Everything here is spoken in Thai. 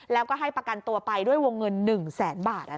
แล้วก็ให้ประกันตัวไปด้วยวงเงิน๑แสนบาท